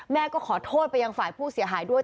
แม่ก็ขอโทษไปยังฝ่ายผู้เสียหายด้วย